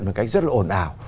một cách rất là ổn ảo